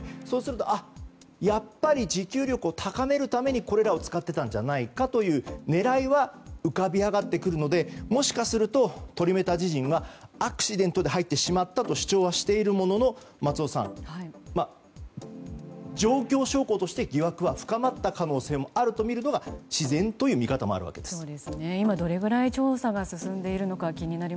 そうすると、やっぱり持久力を高めるためにこれらを使っていたんじゃないかという狙いは浮かび上がってくるのでもしかするとトリメタジジンはアクシデントで入ってしまったと主張しているものの、松尾さん状況証拠として疑惑は深まった可能性もあるとみるのが自然という見方もあるわけです。